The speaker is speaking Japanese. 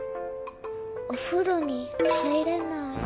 おふろにはいれない。